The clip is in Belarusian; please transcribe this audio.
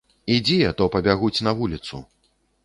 Ідзі, а то пабягуць на вуліцу.